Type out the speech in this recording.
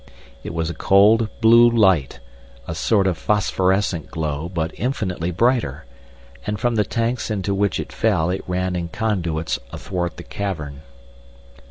It was a cold blue light, a sort of phosphorescent glow but infinitely brighter, and from the tanks into which it fell it ran in conduits athwart the cavern.